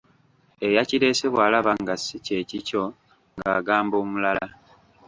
Eyakireese bw'alaba nga ssi kye kikyo, ng'agamba omulala.